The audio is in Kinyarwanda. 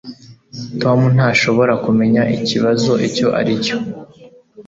Tom ntashobora kumenya ikibazo icyo ari cyo